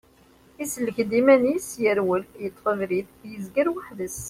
Isellek-d iman-is, yerwel, yeṭṭef abrid, yezger weḥd-s.